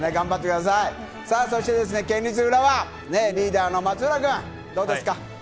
そして県立浦和、リーダーの松浦君どうですか？